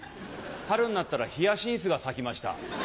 春になったらヒヤシンスが咲きました。